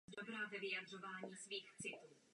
Jak významné místo by měla zaujímat v regionální politice?